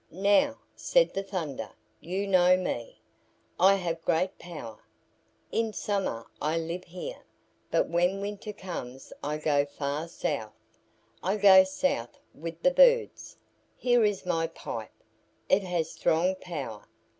"Now," said the Thunder, "you know me. I have great power. In summer I live here; but when winter comes I go far south. I go south with the birds. Here is my pipe. It has strong power.